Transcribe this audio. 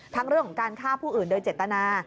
เรื่องของการฆ่าผู้อื่นโดยเจตนา